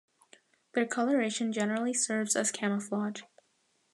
Their coloration generally serves as camouflage.